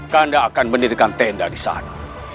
anda akan mendirikan tenda di sana